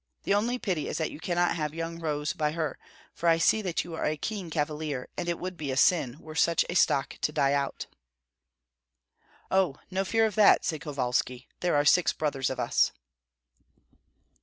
The only pity is that you cannot have young Rohs by her, for I see that you are a keen cavalier, and it would be a sin were such a stock to die out." "Oh, no fear of that!" said Kovalski; "there are six brothers of us."